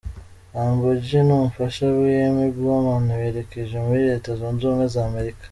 Humble G n'umufasha we Amy Blauman berekeje muri Leta Zunze Ubumwe za Amerika.